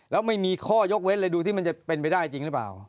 แล้วไม่มีข้อยกเว้นเลยดูที่มันจะเป็นไปได้จริงหรือเปล่า